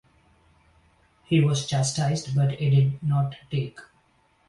He was chastised, but it did not take.